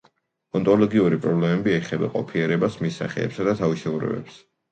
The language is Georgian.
ონტოლოგიური პრობლემები ეხება ყოფიერებას, მის სახეებსა და თავისებურებებს.